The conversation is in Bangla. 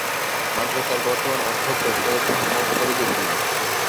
মাদ্রাসার বর্তমান অধ্যক্ষ সৈয়দ মোহাম্মদ ফরিদ উদ্দিন।